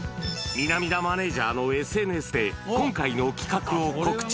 南田マネージャーのＳＮＳで今回の企画を告知。